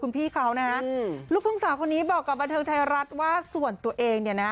คุณพี่เขานะฮะลูกทุ่งสาวคนนี้บอกกับบันเทิงไทยรัฐว่าส่วนตัวเองเนี่ยนะ